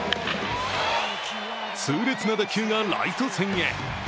痛烈な打球がライト線へ。